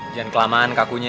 jangan kelamaan kakunya